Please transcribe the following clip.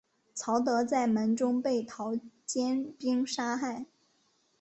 曹德在门中被陶谦兵杀害。